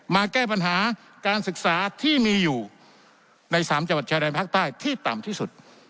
มาแก้ปัญหาการศึกษาที่มีอยู่ใน๓จังหวัดชายแดนภาคใต้ที่ต่ำที่สุด